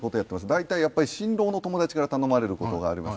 大体やっぱり新郎の友達から頼まれる事があります。